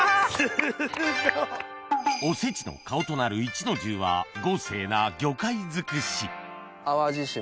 おせちの顔となる壱の重は豪勢な魚介尽くし